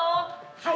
はい。